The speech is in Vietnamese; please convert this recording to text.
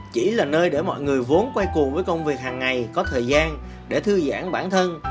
chỉ là nơi để mọi người vốn quay cùng với công việc hàng ngày có thời gian để thư giãn bản thân